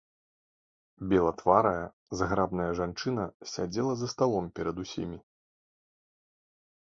Белатварая, зграбная жанчына сядзела за сталом перад усімі.